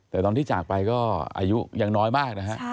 แต่ตอนที่จากไปก็อายุยังน้อยมากนะฮะ